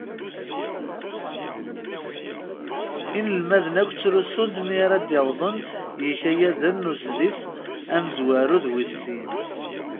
Inelmaden akk ttrusun-d mi ara d-awwḍen yikayaden n umesḍis amezwaru d wis sin.